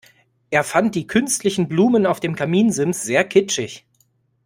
Er fand die künstlichen Blumen auf dem Kaminsims sehr kitschig.